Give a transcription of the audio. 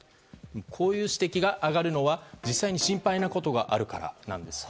こういう指摘が上がるのは実際に心配なことがあるからなんです。